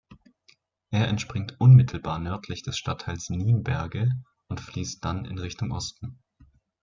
Er entspringt unmittelbar nördlich des Stadtteils Nienberge und fließt dann in Richtung Osten.